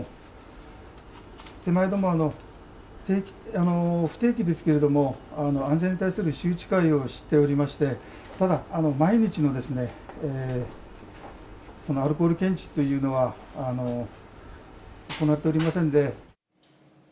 手前ども、不定期ですけれども、安全に対する周知会をしておりまして、ただ、毎日のアルコール検知というのは行っておりませんで。